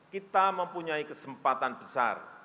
kita mempunyai kesempatan besar